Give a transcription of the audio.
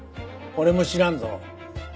俺も知らんぞ。